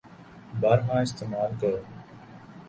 بارہا استعمال کر